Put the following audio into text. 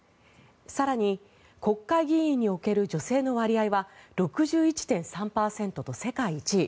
更に、国会議員における女性の割合は６１．３％と世界１位。